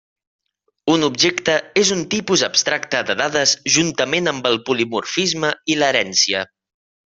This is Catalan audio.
Un objecte és un tipus abstracte de dades juntament amb el polimorfisme i l'herència.